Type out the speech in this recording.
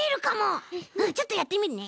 ちょっとやってみるね。